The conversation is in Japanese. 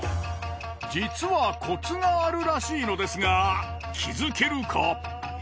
実はコツがあるらしいのですが気づけるか？